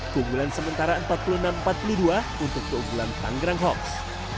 keunggulan sementara empat puluh enam empat puluh dua untuk keunggulan tanggerang hoax